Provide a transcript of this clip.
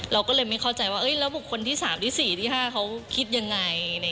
เราก็เลยไม่เข้าใจว่าแล้วบุคคลที่๓๔๕เขาคิดอย่างไร